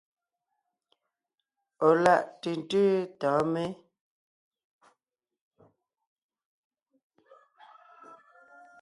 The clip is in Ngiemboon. Ɔ̀ láʼ ntʉ̀ntʉ́ tɔ̌ɔn mé?